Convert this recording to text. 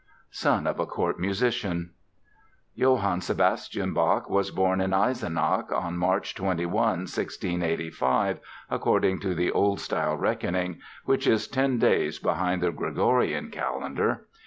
SON OF A COURT MUSICIAN Johann Sebastian Bach was born in Eisenach on March 21, 1685, according to the Old Style reckoning, which is ten days behind the Gregorian calendar.